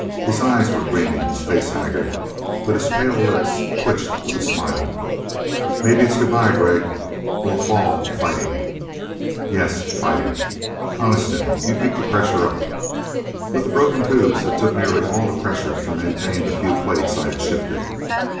His eyes were gleaming, his face haggard, but his pale lips twitched with a smile. "Maybe it's good bye, Gregg. We'll fall fighting." "Yes. Fighting. Coniston, you keep the pressure up." With the broken tubes it took nearly all the pressure to maintain the few plates I had shifted.